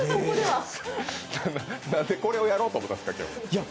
なんでこれをやろうと思ったんですか、今日。